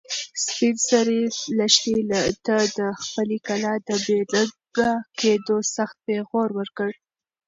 سپین سرې لښتې ته د خپلې کلا د بې ننګه کېدو سخت پېغور ورکړ.